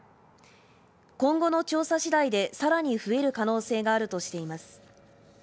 今後の調査次第でさらに増える可能性があるとしています。